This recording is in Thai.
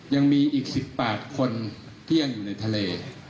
ยังมีอีก๑๘คนที่ยังอยู่ในทะเล